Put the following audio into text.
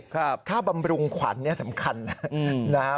ค่าบำรุงขวัญเนี่ยสำคัญนะครับ